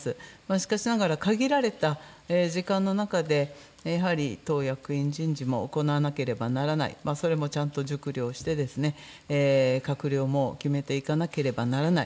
しかしながら、限られた時間の中で、やはり党役員人事も行わなければならない、それもちゃんと熟慮をしてですね、閣僚も決めていかなければならない。